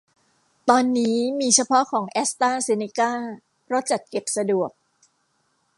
ตอนนี้มีเฉพาะของแอสตาเซเนก้า เพราะจัดเก็บสะดวก